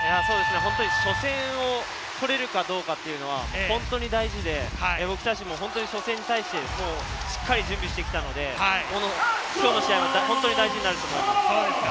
初戦を取れるかどうか本当に大事で、僕たちも初戦に対してしっかり準備してきたので、今日の試合、大事になると思います。